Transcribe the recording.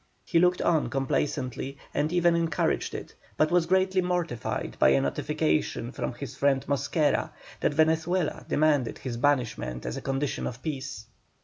He looked on complacently, and even encouraged it, but was greatly mortified by a notification from his friend Mosquera, that Venezuela demanded his banishment as a condition of peace.